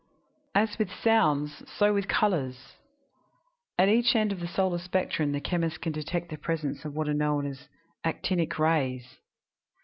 "As with sounds, so with colors. At each end of the solar spectrum the chemist can detect the presence of what are known as 'actinic' rays.